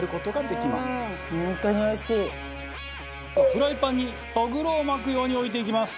フライパンにとぐろを巻くように置いていきます。